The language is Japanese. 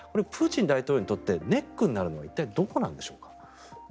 プーチン大統領にとってネックになるのは一体どこなんでしょうか。